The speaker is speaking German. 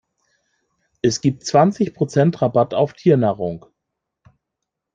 Es gibt zwanzig Prozent Rabatt auf Tiernahrung.